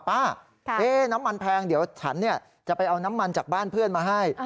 น้ำมันแพงเดี๋ยวฉันจะไปเอาน้ำมันจากบ้านเพื่อนมาให้